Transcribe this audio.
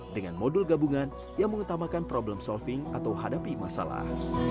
dengan modul gabungan yang mengutamakan problem solving atau hadapi masalah